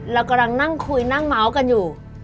เรากำลังนั่งคุยนั่งเมาส์กันอยู่